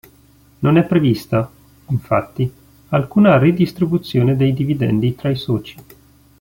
Non è prevista, infatti, alcuna redistribuzione dei dividendi fra i soci.